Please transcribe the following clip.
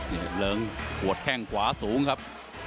เนี่ยเหลิองหัวแข้งกวลางีขวาสูงครับ